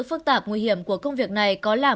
phức tạp nguy hiểm của công việc này có làm